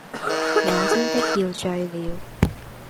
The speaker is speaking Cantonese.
我真的要醉了！